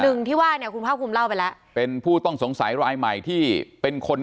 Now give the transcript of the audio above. หนึ่งที่ว่าเนี่ยคุณภาคภูมิเล่าไปแล้วเป็นผู้ต้องสงสัยรายใหม่ที่เป็นคน